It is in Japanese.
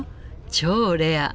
超レア。